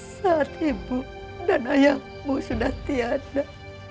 saat ibu dan ayahku sudah tiada